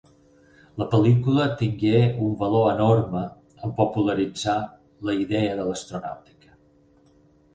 La pel·lícula tingué un valor enorme en popularitzar la idea de l'astronàutica.